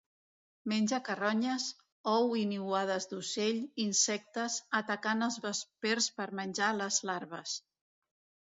Menja carronyes, ous i niuades d'ocell, insectes, atacant els vespers per menjar les larves.